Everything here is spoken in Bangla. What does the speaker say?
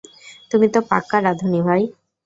তুমি তো পাক্কা রাঁধুনি ভাই।